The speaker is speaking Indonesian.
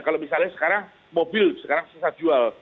kalau misalnya sekarang mobil sekarang susah jual